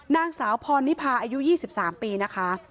นางสาวพรนิพาอายุ๒๓ปีนะคะ